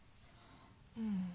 うん。